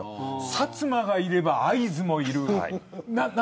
薩摩もいれば、会津もいる。